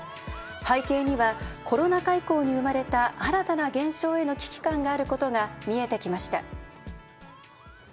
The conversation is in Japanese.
背景にはコロナ禍以降に生まれた新たな現象への危機感があることが見えてきました。